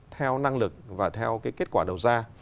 theo năng lực và theo kết quả đầu ra